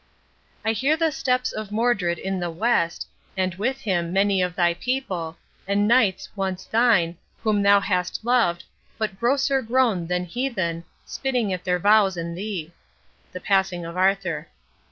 "I hear the steps of Modred in the west, And with him many of thy people, and knights Once thine, whom thou hast loved, but grosser grown Than heathen, spitting at their vows and thee" The Passing of Arthur.